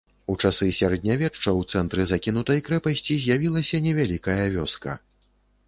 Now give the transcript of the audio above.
У часы сярэднявечча ў цэнтры закінутай крэпасці з'явілася невялікая вёска.